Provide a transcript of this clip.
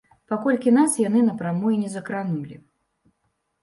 Паколькі нас яны напрамую не закранулі.